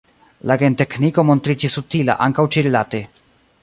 La gentekniko montriĝis utila ankaŭ ĉi-rilate.